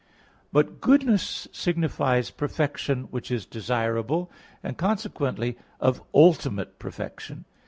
But goodness signifies perfection which is desirable; and consequently of ultimate perfection.